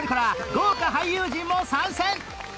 豪華俳優陣も参戦！